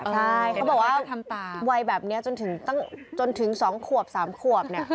ใช่เขาบอกว่าวัยแบบนี้จนถึง๒๓ขวบ